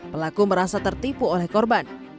pelaku merasa tertipu oleh korban